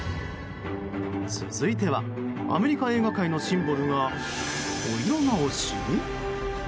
続いては、アメリカ映画界のシンボルがお色直し？